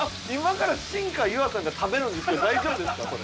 今から新川優愛さんが食べるんですけど大丈夫ですか？